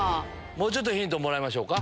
もっとヒントもらいましょうか。